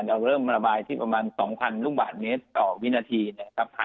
เราเริ่มระบายที่ประมาณ๒๐๐๐ลูกหลาศน์